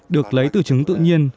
được lấy từ trứng tự nhiên